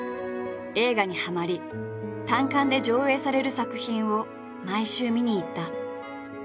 映画にはまり単館で上映される作品を毎週見に行った。